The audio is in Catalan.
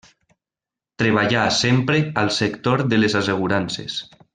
Treballà sempre al sector de les assegurances.